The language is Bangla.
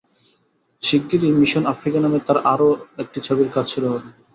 শিগগিরই মিশন আফ্রিকা নামে তাঁর আরও একটি ছবির কাজ শুরু হবে।